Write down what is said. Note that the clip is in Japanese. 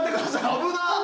危なっ！